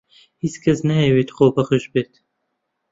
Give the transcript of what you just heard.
هیچ کەس نایەوێت خۆبەخش بێت.